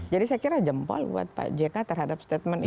jadi saya kira jempol buat pak jk terhadap statement itu